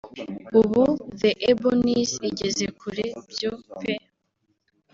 ubu The Ebonies igeze kure byo peee